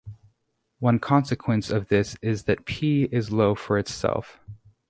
One consequence of this is that P is low for itself.